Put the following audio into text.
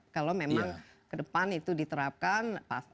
kalau memang ke depan itu diterapkan